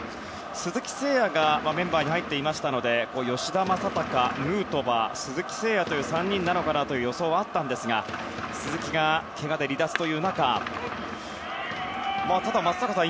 鈴木誠也がメンバーに入っていたので吉田正尚、ヌートバー鈴木誠也の３人なのかなという予想はあったんですが鈴木がけがで離脱という中でただ、松坂さん。